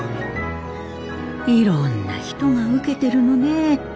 いろんな人が受けてるのねえ。